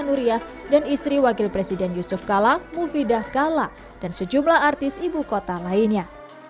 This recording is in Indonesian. nuriyah dan istri wakil presiden yusuf kala mufidah kala dan sejumlah artis ibu kota lainnya